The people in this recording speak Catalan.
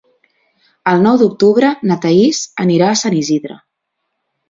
El nou d'octubre na Thaís anirà a Sant Isidre.